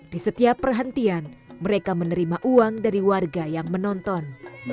di setiap perhentian mereka menerima uang dari warga yang menonton